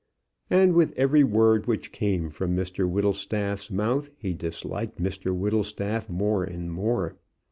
And with every word which came from Mr Whittlestaff's mouth, he disliked Mr Whittlestaff more and more.